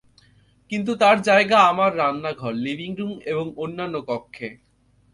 কিন্তু তার জায়গা আমার রান্না ঘর, লিভিং রুম এবং অন্যান্য কক্ষে।